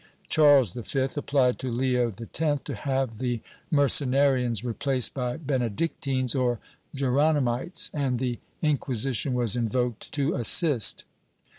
Charles V applied to Leo X to have the Merce narians replaced by Benedictines or Geronimites and the Inquisi tion was invoked to assist.